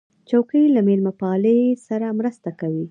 چوکۍ له میلمهپالۍ سره مرسته کوي.